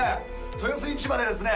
豊洲市場でですね